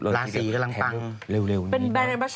ราศีกำลังตั้งเร็วนี่มาก